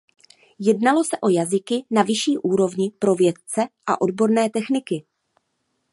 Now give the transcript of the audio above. Jednalo se o jazyky na vyšší úrovni pro vědce a odborné techniky.